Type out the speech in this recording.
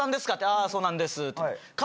「ああそうなんです」って。